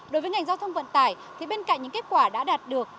đối với ngành giao thông vận tải thì bên cạnh những kết quả đã đạt được